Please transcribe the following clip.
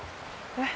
えっ？